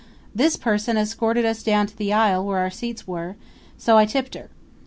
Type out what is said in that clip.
This person escorted us down the aisle to where our seats were; so I tipped her.